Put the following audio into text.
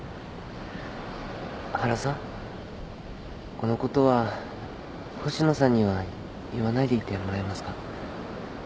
このことは星野さんには言わないでいてもらえますか。